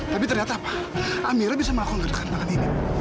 tapi ternyata pak amira bisa melakukan gerakan tangan ini